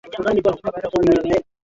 sekunde milioni ishirini na saba